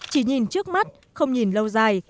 chỉ nhìn trước mắt không nhìn lâu dài